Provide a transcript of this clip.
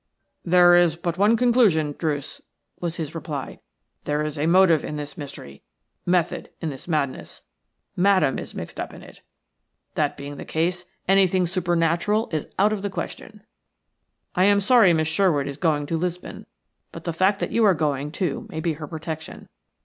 "There is but one conclusion, Druce," was his reply. "There is a motive in this mystery – method in this madness. Madame is mixed up in it. That being the case, anything supernatural is out of the question. I am sorry Miss Sherwood is going to Lisbon, but the fact that you are going too may be her protection.